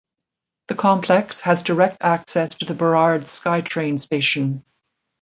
The complex has direct access to the Burrard SkyTrain station.